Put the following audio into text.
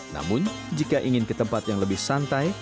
namun jika ingin ke tempat yang lebih santai